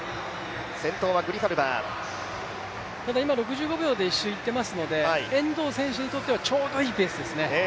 今６５秒で１周でいっていますので遠藤選手にとってはちょうどいいペースですね。